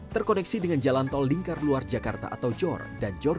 terkoneksi dengan jalan tol lingkar luar jakarta atau jor dan jor